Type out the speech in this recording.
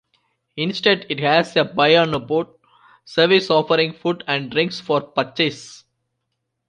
Instead it has a buy-on-board service offering food and drinks for purchase.